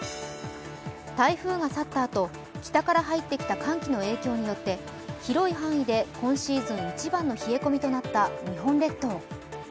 台風が去ったあと、北から入ってきた寒気の影響によって広い範囲で今シーズン一番の冷え込みとなった日本列島。